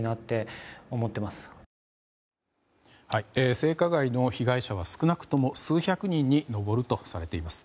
性加害の被害者は少なくとも数百人に上るとされています。